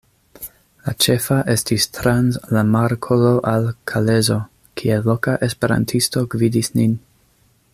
La ĉefa estis trans la Markolo al Kalezo, kie loka esperantisto gvidis nin.